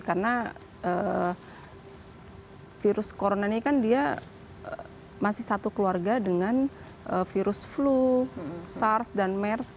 karena virus corona ini kan dia masih satu keluarga dengan virus flu sars dan mers